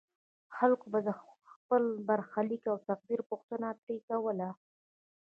خلکو به د خپل برخلیک او تقدیر پوښتنه ترې کوله.